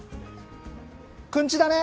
くんちだね。